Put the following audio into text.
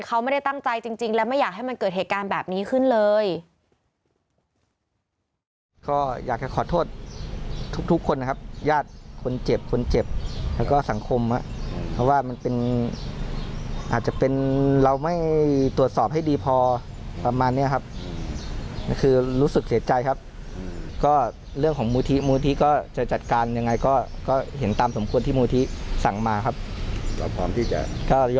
เขาไม่ได้ตั้งใจจริงและไม่อยากให้มันเกิดเหตุการณ์แบบนี้ขึ้นเลย